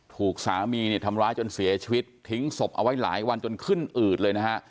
ถูกสามีเนี่ยทำร้ายจนเสียชีวิตทิ้งศพเอาไว้หลายวันจนขึ้นอืดเลยนะฮะ